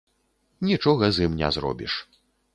Нічога з ім не зробіш.